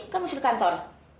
kamu usir ke kantor